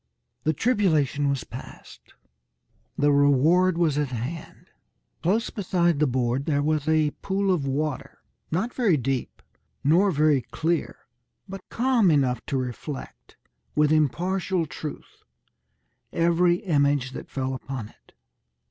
The tribulation was passed. The reward was at hand. Close beside the board there was a pool of water, not very deep, nor very clear, but calm enough to reflect, with impartial truth, every image that fell upon it.